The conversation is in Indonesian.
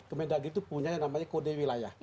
kementerian negeri itu punya yang namanya kode wilayah